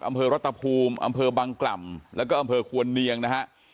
อำเภอรัตภูมิอำเภอบังกล่ำแล้วก็อำเภอควรเนียงนะฮะ